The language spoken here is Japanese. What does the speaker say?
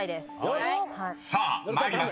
［さあ参ります。